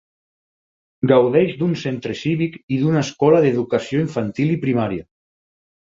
Gaudeix d'un centre cívic i d'una escola d'educació infantil i primària.